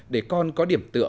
để con có điểm tựa